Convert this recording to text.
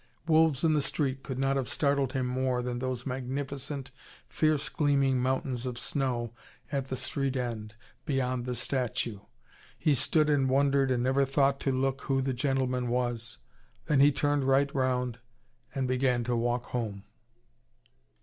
Wolves in the street could not have startled him more than those magnificent fierce gleaming mountains of snow at the street end, beyond the statue. He stood and wondered, and never thought to look who the gentleman was. Then he turned right round, and began to walk home.